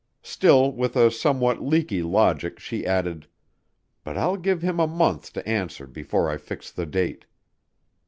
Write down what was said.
Still with a somewhat leaky logic she added: "But I'll give him a month to answer before I fix the date."